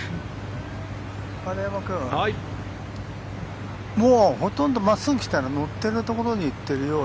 丸山君もうほとんど真っすぐ来たら乗ってるところに行ってるよ。